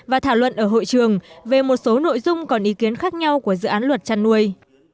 và thảo luận ở hội trường về một số nội dung còn ý kiến khác nhau của dự án luật chăn nuôi